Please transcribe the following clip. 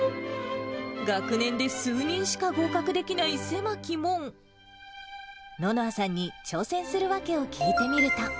学年で数人しか合格できない狭き門。ののあさんに挑戦する訳を聞いてみると。